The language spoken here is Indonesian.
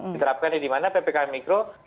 diterapkan di mana ppkm mikro